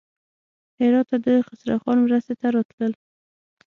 هراته د خسروخان مرستې ته راتلل.